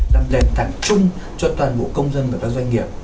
làm đền tặng chung cho toàn bộ công dân và các doanh nghiệp